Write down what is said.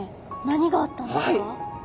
何があったんですか？